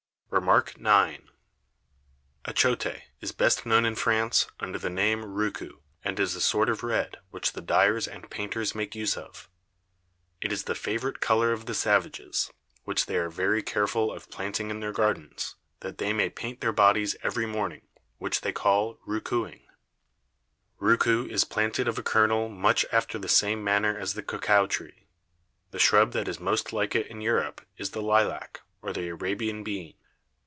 REMARK IX. Achote is best known in France, under the Name of Roucou, and is a sort of Red which the Dyers and Painters make use of. It is the favourite Colour of the Savages, which they are very careful of planting in their Gardens, that they may paint their Bodies every Morning, which they call Roucouing. Roucou is planted of a Kernel much after the same manner as the Cocao Tree. The Shrub that is most like it in Europe, is the Lilach, or the Arabian Bean.